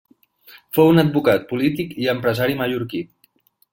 Fou un advocat, polític i empresari mallorquí.